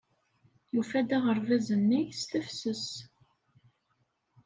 Yufa-d aɣerbaz-nni s tefses.